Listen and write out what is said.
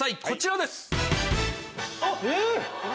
こちらです。